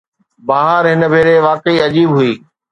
بهار هن ڀيري واقعي عجيب هئي.